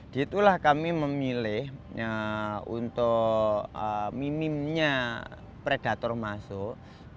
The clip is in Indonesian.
di itulah kami memilih untuk minimnya predator masuk